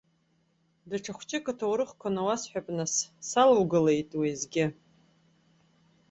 Даҽа хәыҷык аҭаарыхқәа науасҳәап нас, салоугалеит уеизгьы.